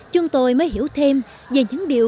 chúng tôi mới hiểu thêm về những điều